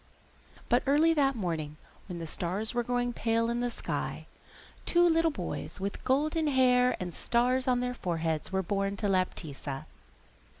But early that morning, when the stars were growing pale in the sky, two little boys with golden hair and stars on their foreheads were born to Laptitza.